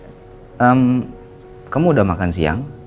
hmm kamu udah makan siang